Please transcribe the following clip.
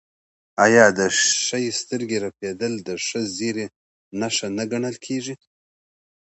آیا د ښي سترګې رپیدل د ښه زیری نښه نه ګڼل کیږي؟